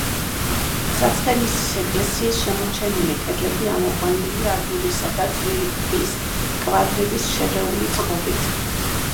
საცხენისის ეკლესიის შემორჩენილი კედლები ამოყვანილია აგურისა და თლილი ქვის კვადრების შერეული წყობით.